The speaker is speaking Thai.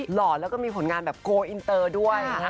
หล่อแล้วก็มีผลงานแบบโกลอินเตอร์ด้วย